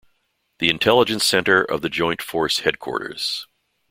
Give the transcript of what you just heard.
The intelligence center of the joint force headquarters.